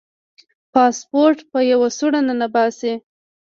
پاسپورټ په یوه سوړه ننباسي.